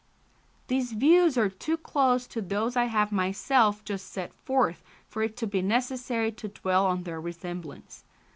These views are too close to those I have myself just set forth for it to be necessary to dwell on their resemblance.